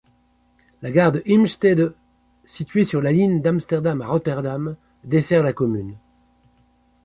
La gare de Heemstede, située sur la ligne d'Amsterdam à Rotterdam, dessert la commune.